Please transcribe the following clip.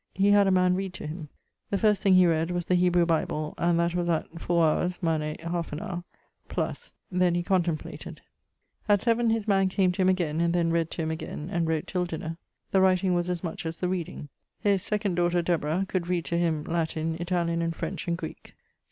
He had a man read to him. The first thing he read was the Hebrew Bible, and that was at 4 h. manè 1/2 h. +. Then he contemplated. At 7 his man came to him again, and then read to him again, and wrote till dinner: the writing was as much as the reading. His (2) daughter, Deborah, could read to him Latin, Italian and French, and Greeke.